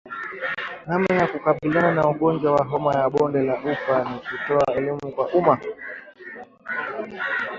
Namna ya kukabiliana na ugonjwa wa homa ya bonde la ufa ni kutoa elimu kwa umma